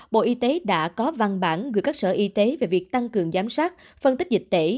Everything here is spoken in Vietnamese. bộ y tế đã có văn bản gửi các sở y tế về việc tăng cường giám sát phân tích dịch tễ